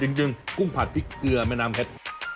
จริงกุ้งผัดพริกเกลือแม่น้ำเพชร